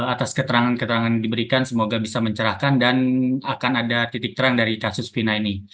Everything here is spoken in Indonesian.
atas keterangan keterangan diberikan semoga bisa mencerahkan dan akan ada titik terang dari kasus fina ini